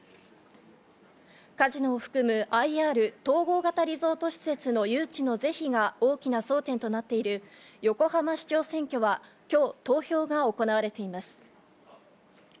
カジノを含むＩＲ・統合型リゾート施設の誘致の是非が大きな争点となっている横浜市長選挙はきょう、投票が行われています。